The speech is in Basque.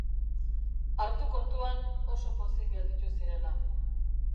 Hartu kontuan oso pozik gelditu zirela.